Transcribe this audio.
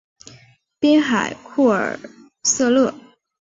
滨海库尔瑟勒。